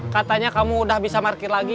katanya kamu udah bisa parkir lagi